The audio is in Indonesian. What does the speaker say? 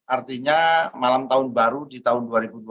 artinya malam tahun baru di tahun dua ribu dua puluh